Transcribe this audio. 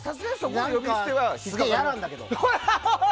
すげえ嫌なんだけど。